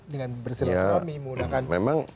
dengan bersilat kami menggunakan